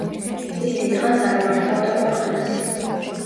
ის დიდხანს არ მართავდა ქვეყანას.